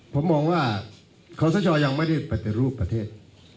ผมมองว่าขอสชยังไม่ได้ปฏิรูปประเทศ